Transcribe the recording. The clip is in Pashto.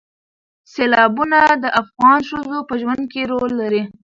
سیلابونه د افغان ښځو په ژوند کې رول لري.